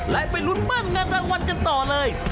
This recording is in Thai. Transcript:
และไปลุ้นเบิ้ลเงินรางวัลกันต่อเลย